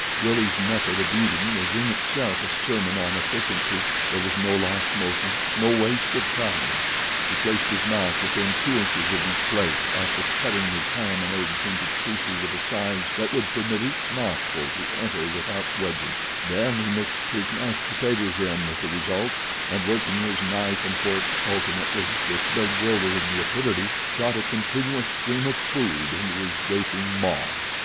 Willie's method of eating was in itself a sermon on efficiency there was no lost motion no waste of time. He placed his mouth within two inches of his plate after cutting his ham and eggs into pieces of a size that would permit each mouthful to enter without wedging; then he mixed his mashed potatoes in with the result and working his knife and fork alternately with bewildering rapidity shot a continuous stream of food into his gaping maw.